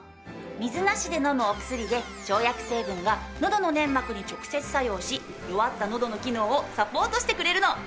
水なしで飲むお薬で生薬成分がのどの粘膜に直接作用し弱ったのどの機能をサポートしてくれるの。